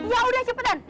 ya udah cepetan